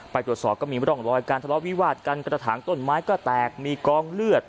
ไปตรวจสอบก็มีร่องรอยการทะเลาะวิวาดกันกระถางต้นไม้ก็แตกมีกองเลือด